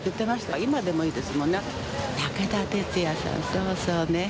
そうそうねえ。